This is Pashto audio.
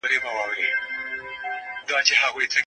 ستاسو په زړه کي به د سولې او ارامۍ هیله وي.